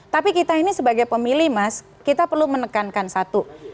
tapi kita ini sebagai pemilih mas kita perlu menekankan satu